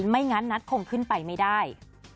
ไม่งั้นนัทคงขึ้นไปไม่ได้